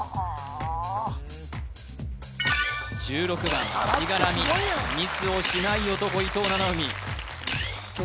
１６番しがらみミスをしない男伊藤七海